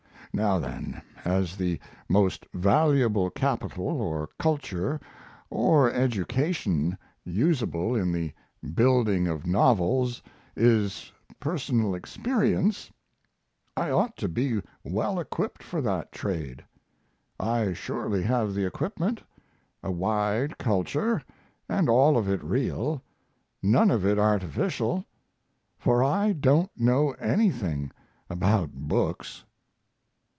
Now then: as the most valuable capital or culture or education usable in the building of novels is personal experience I ought to be well equipped for that trade. I surely have the equipment, a wide culture, and all of it real, none of it artificial, for I don't know anything about books.